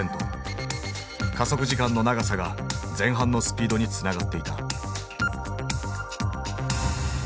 加速時間の長さが前半のスピードにつながっていた。